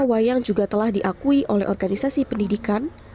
wayang juga telah diakui oleh organisasi pendidikan